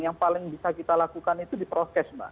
yang paling bisa kita lakukan itu diproses mbak